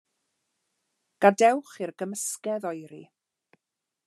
Gadewch i'r gymysgedd oeri.